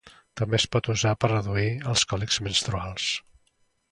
També es pot usar per reduir els còlics menstruals.